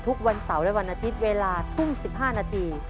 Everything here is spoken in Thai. ทุกวันเสาร์และวันอาทิตย์เวลาทุ่ม๑๕นาที